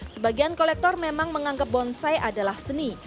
sebagian kolektor memang menganggap bonsai adalah seni